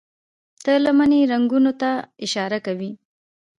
تله د مني رنګونو ته اشاره کوي.